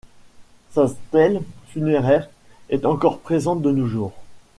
Sa stèle funéraire est encore présente de nos jours.